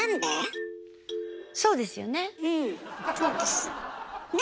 そうですよね。